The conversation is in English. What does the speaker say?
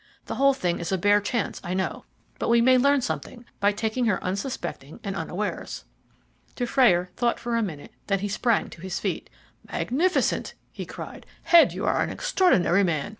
The whole thing is a bare chance, I know, but we may learn something by taking her unsuspecting and unawares." Dufrayer thought for a minute, then he sprang to his feet. "Magnificent!" he cried. "Head, you are an extraordinary man!